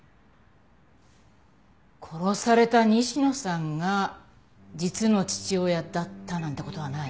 殺された西野さんが実の父親だったなんて事はない？